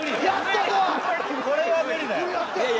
これは無理よ